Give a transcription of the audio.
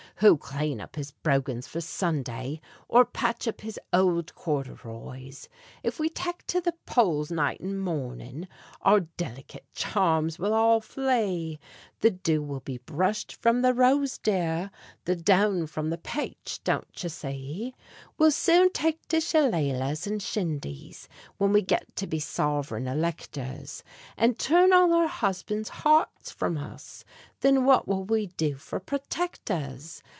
Who'll clane up his broghans for Sunday, Or patch up his ould corduroys. If we tak' to the polls, night and mornin', Our dilicate charms will all flee The dew will be brushed from the rose, dear, The down from the pache don't you see? We'll soon tak' to shillalahs and shindies Whin we get to be sovereign electors, And turn all our husbands' hearts from us, Thin what will we do for protectors?